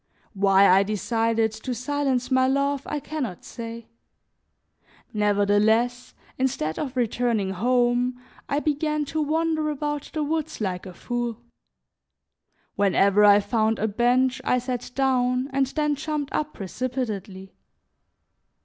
Why I decided to silence my love I can not say. Nevertheless, instead of returning home, I began to wander about the woods like a fool. Whenever I found a bench I sat down and then jumped up precipitately.